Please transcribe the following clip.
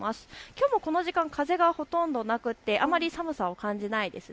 きょうもこの時間風がほとんどなく、あまり寒さも感じないです。